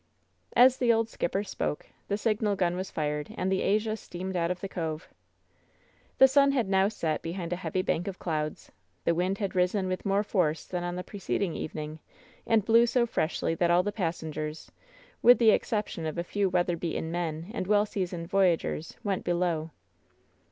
As the old skipper spoke the signal gun was fired, and the Asia steamed out of the cove. The sun had now set behind a heavy bank of clouds* The wind had, risen with more force than on the pre ceding evening, and blew so freshly that all the pas sengers, with the exception of a few weather beaten men and well seasoned voyagers, went below.